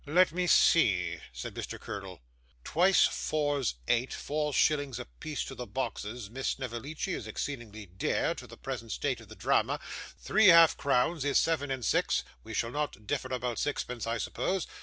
'Let me see,' said Mr. Curdle; 'twice four's eight four shillings a piece to the boxes, Miss Snevellicci, is exceedingly dear in the present state of the drama three half crowns is seven and six; we shall not differ about sixpence, I suppose?